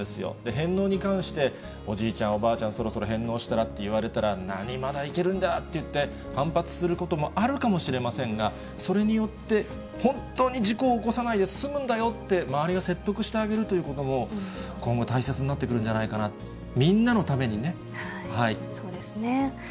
返納に関して、おじいちゃん、おばあちゃん、そろそろ返納したら？って言われたら、なに、まだいけるんだって、反発することもあるかもしれませんが、それによって、本当に事故を起こさないで済むんだよって、周りが説得してあげるということも、今後、大切になってくるんじゃないかな、みんなのそうですね。